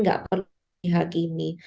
tidak perlu dihakimi